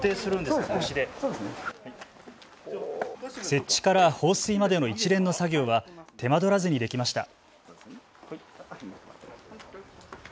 設置から放水までの一連の作業は手間取らずにできました。